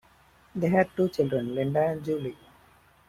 They had two children, Linda and Julie.